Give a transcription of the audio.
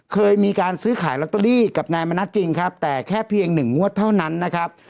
เคยมีการซื้อขายลอตเตอรี่กับนายมณัฐจริงครับแต่แค่เพียงหนึ่งงวดเท่านั้นนะครับ